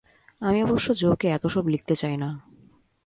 আমি অবশ্য জো-কে এত সব লিখতে চাই না।